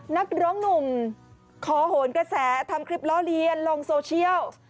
นักร้องหนุ่มขอโหนกระแสทำคลิปล้อเลียนลงโซเชียล